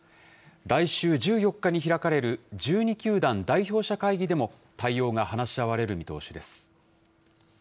来週１４日に開かれる１２球団代表者会議でも、対応が話し合われる見通しです。